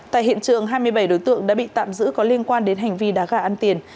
tại hiện trường hai mươi bảy đối tượng đã bị tạm giữ có liên quan đến hành vi đá gà ăn tiền